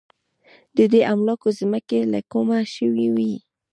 د دې املاکو ځمکې له کومه شوې وې.